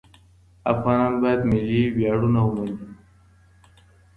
افغانان باید ملي ویاړونه ومني.